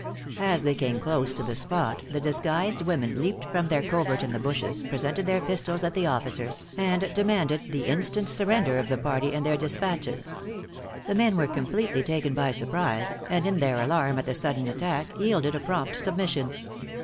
As they came close to the spot, the disguised women leaped from their covert in the bushes, presented their pistols at the officers, and demanded the instant surrender of the party and their despatches. The men were completely taken by surprise, and in their alarm at the sudden attack, yielded a prompt submission.